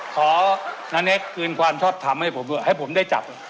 ขอนาเนคคืนความชอบถามให้ผมด้วยให้ผมได้จับ